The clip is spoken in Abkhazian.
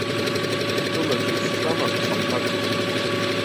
Ртәылаҿ ихҵәама ԥҟақәак?